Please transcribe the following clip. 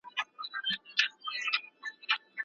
که ډيپلوماسي نه وي هېوادونه له انزوا سره مخ کېږي.